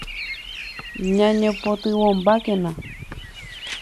Ñañopytyvõmbákena.